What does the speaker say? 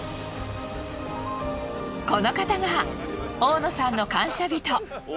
この方が大野さんの感謝人。